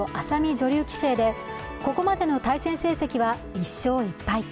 女流棋聖でここまでの対戦成績は１勝１敗。